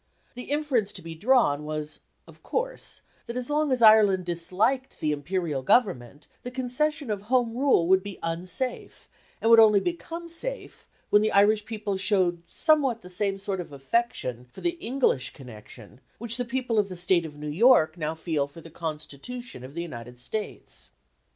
The inference to be drawn was, of course, that as long as Ireland disliked the Imperial government the concession of Home Rule would be unsafe, and would only become safe when the Irish people showed somewhat the same sort of affection for the English connection which the people of the State of New York now feel for the Constitution of the United States.